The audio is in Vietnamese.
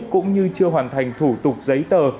cũng như chưa hoàn thành thủ tục giấy tờ